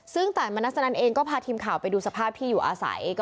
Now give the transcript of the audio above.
ซึ่งตายมนัสนันเองก็พาทีมข่าวไปดูสภาพที่อยู่อาศัย